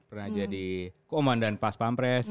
pernah jadi komandan pas pampres